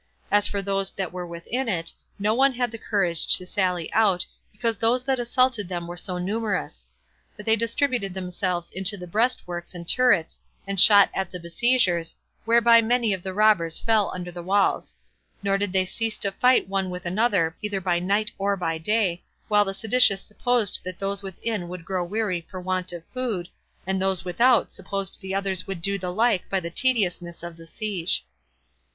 As for those that were within it, no one had the courage to sally out, because those that assaulted them were so numerous; but they distributed themselves into the breast works and turrets, and shot at the besiegers, whereby many of the robbers fell under the walls; nor did they cease to fight one with another either by night or by day, while the seditious supposed that those within would grow weary for want of food, and those without supposed the others would do the like by the tediousness of the siege.